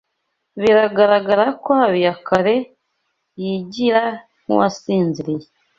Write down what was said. Biragaragara ko Habiyakare yigira nkuwasinziriye.